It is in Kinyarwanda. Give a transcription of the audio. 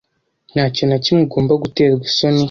Nta kintu na kimwe ugomba guterwa isoni.